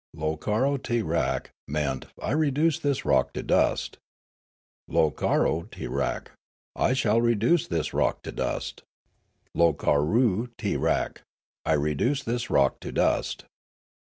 " Lo karo ti rak " meant " I re duce this rock to dust ";" L,o karo ti rak," " I shall reduce this rock to dust ";" Lo karoo ti rak," " I re duced this rock to dust."